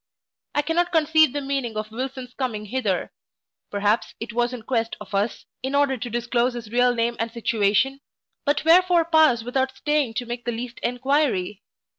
I cannot conceive the meaning of Wilson's coming hither: perhaps, it was in quest of us, in order to disclose his real name and situation: but wherefore pass without staying to make the least enquiry?